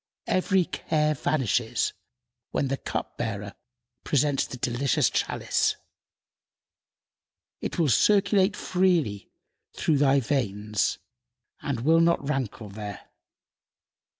Every care vanishes when the cup bearer presents the delicious chalice; it will circulate freely through thy veins and will not rankle there.